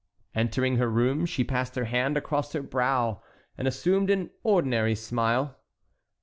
Entering her room, she passed her hand across her brow, and assumed an ordinary smile.